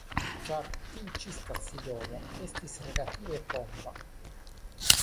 Ĉar tiu ĉi stacidomo estis relative pompa.